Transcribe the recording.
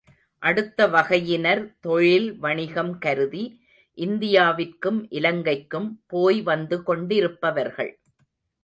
அடுத்த வகையினர் தொழில் வாணிகம் கருதி இந்தியாவிற்கும் இலங்கைக்கும் போய் வந்து கொண்டிருப்பவர்கள்.